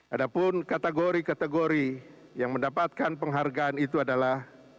adapun kategori kategori yang mendapatkan penghargaan itu adalah